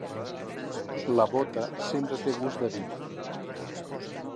La bota sempre té gust de vi.